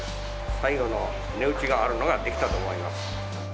最後の値打ちがあるのが出来たと思います。